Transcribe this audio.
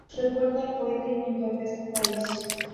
Recuerda al poeta y pintor de este país.